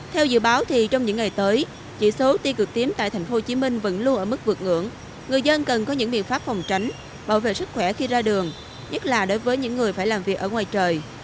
theo dự báo thì trong những ngày tới chỉ số tiêu cực tím tại thành phố hồ chí minh vẫn luôn ở mức vượt ngưỡng người dân cần có những biện pháp phòng tránh bảo vệ sức khỏe khi ra đường nhất là đối với những người phải làm việc ở ngoài trời